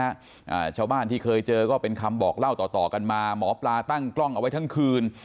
อ่าชาวบ้านที่เคยเจอก็เป็นคำบอกเล่าต่อต่อกันมาหมอปลาตั้งกล้องเอาไว้ทั้งคืน